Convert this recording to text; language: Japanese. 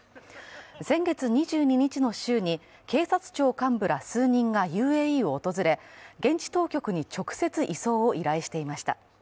先月２２日の週に警察庁幹部ら数人がＵＡＥを訪れ、現地当局に直接、移送を依頼していました。